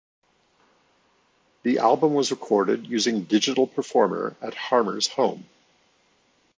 The album was recorded using Digital Performer at Harmer's home.